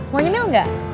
mau nyemil gak